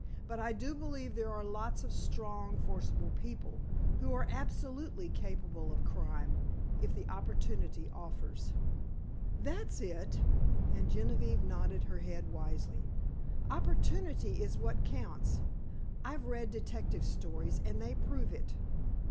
But I do believe there are lots of strong, forcible people, who are absolutely capable of crime—if the opportunity offers." "That's it," and Genevieve nodded her head wisely. "Opportunity is what counts. I've read detective stories, and they prove it.